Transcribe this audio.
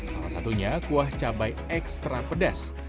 salah satunya kuah cabai ekstra pedas